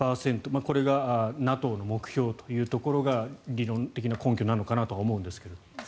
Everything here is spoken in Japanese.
２％、これがＮＡＴＯの目標というところが理論的な根拠なのかなとは思うんですが。